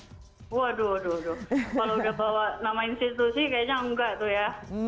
waduh waduh kalau udah bawa nama institusi kayaknya enggak tuh ya